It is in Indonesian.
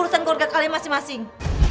urusan keluarga kalian masing masing